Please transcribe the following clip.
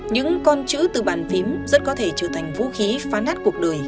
những con chữ từ bàn phím rất có thể trở thành vũ khí phá nát cuộc đời